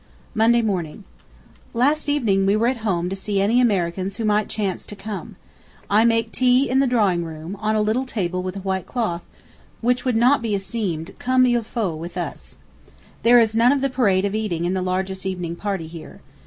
Monday Morning. Last evening we were at home to see any Americans who might chance to come. ... I make tea in the drawing room, on a little table with a white cloth, which would not be esteemed comme il faut with us. There is none of the parade of eating in the largest evening party here.